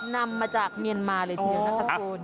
นำมาจากเมียนมาเลยทีเดียวนะคะคุณ